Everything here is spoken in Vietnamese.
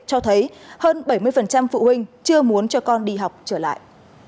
cho thấy hơn bảy mươi phụ huynh chưa muốn cho con đi học trở lại